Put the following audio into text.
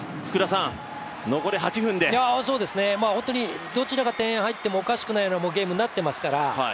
そうですね、どちらが点入ってもおかしくないようなゲームになってますから。